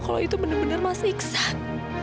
kalau itu bener bener mas iksan